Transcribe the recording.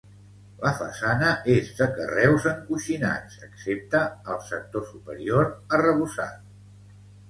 La façana és de carreus encoixinats, excepte al sector superior, arrebossat.